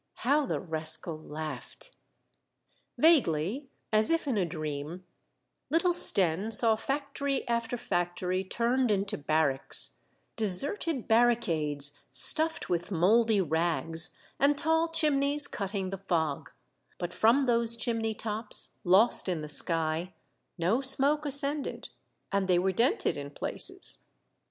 How the rascal laughed ! Vaguely, as if in a dream, little Stenne saw fac tory after factory turned into barracks, deserted barricades stuffed with mouldy rags, and tall chim neys cutting the fog ; but from those chimney tops, lost in the sky, no smoke ascended, and they were dented in places.